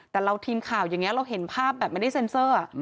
แต่เราทีมข่าวอย่างนี้เราเห็นภาพแบบไม่ได้เซ็นเซอร์